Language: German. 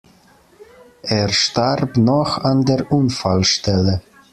Er starb noch an der Unfallstelle.